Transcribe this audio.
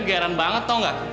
gairan banget tau gak